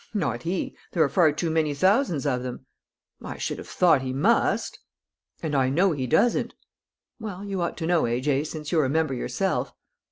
"Not he! There are far too many thousands of them." "I should have thought he must." "And I know he doesn't." "Well, you ought to know, A.J., since you're a member yourself."